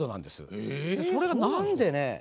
それが何でね